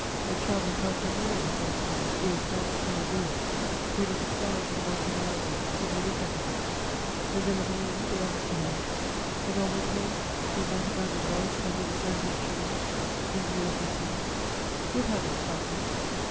The charming Falconieri, for instance, always stands near a door, ready to fly to the Monte Mario if you look at her: the Villa Millini belongs to her; a novel placed in that abandoned lodge, under the cypress trees, in view of the sea, would have its value.